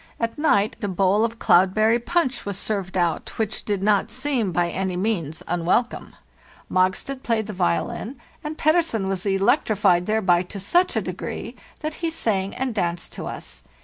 At night a bowl of cloudberry punch was served out, which did not seem by any means unwelcome. Mogstad played the violin, and Pettersen was electrified thereby to such a degree that he sang and danced to us.